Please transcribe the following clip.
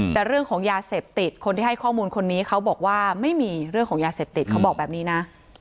แต่เรื่องของยาเสพติดคนที่ให้ข้อมูลคนนี้เขาบอกว่าไม่มีเรื่องของยาเสพติดเขาบอกแบบนี้นะ